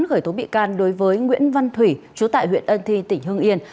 khởi tố bị can đối với nguyễn văn thủy chú tại huyện ân thi tỉnh hương yên